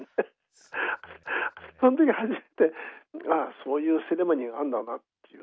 その時初めてあそういうセレモニーがあんだなって。